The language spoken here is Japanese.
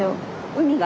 海が？